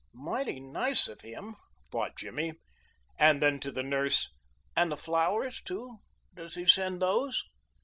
"Mighty nice of him," thought Jimmy, and then to the nurse: "And the flowers, too? Does he send those?"